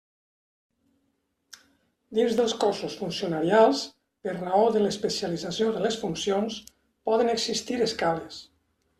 Dins dels cossos funcionarials, per raó de l'especialització de les funcions, poden existir escales.